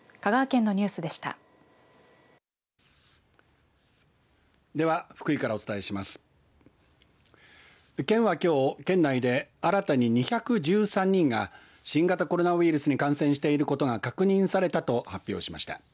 県は、きょう県内で新たに２１３人が新型コロナウイルスに感染していることが確認されたと発表しました。